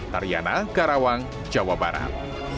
tariana karawang jawa barat